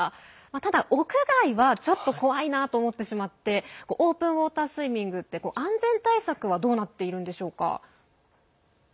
ただ、屋外はちょっと怖いなと思ってしまってオープンウォータースイミングって安全対策ってどうなっているんでしょうか？